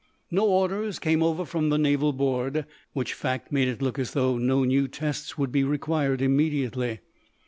No orders came over from the naval board, which fact made it look as though no new tests would be required immediately.